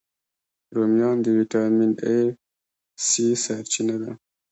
رومیان د ویټامین A، C سرچینه ده